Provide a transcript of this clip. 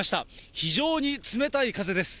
非常に冷たい風です。